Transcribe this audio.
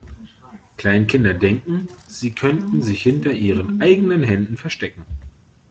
Kleinkinder denken, sie könnten sich hinter ihren eigenen Händen verstecken.